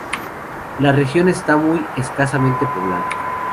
La región está muy escasamente poblada.